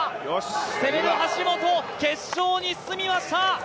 攻めの橋本、決勝に進みました。